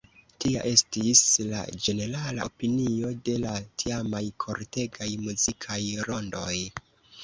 Tia estis la ĝenerala opinio de la tiamaj kortegaj muzikaj rondoj.